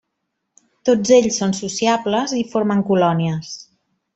Tots ells són sociables i formen colònies.